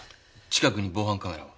近くに防犯カメラは？